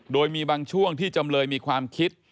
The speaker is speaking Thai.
โดยมีบางช่วงที่จำเลยมีความคิด